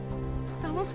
「楽しく」？